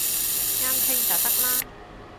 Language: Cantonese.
啱傾就得啦